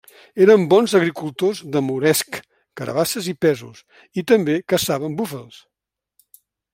Eren bons agricultors de moresc, carabasses i pèsols, i també caçaven búfals.